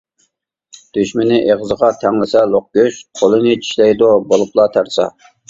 دۈشمىنى ئېغىزغا تەڭلىسە لوق گۆش، قولىنى چىشلەيدۇ بولۇپلا تەرسا.